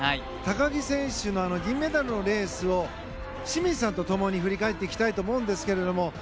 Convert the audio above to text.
高木選手の銀メダルのレースを清水さんと共に振り返っていきたいと思います。